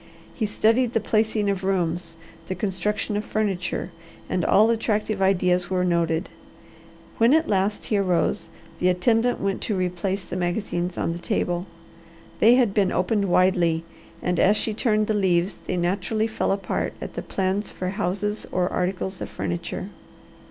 He studied the placing of rooms, the construction of furniture, and all attractive ideas were noted. When at last he arose the attendant went to replace the magazines on the table. They had been opened widely, and as she turned the leaves they naturally fell apart at the plans for houses or articles of furniture.